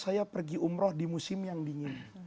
saya pergi umroh di musim yang dingin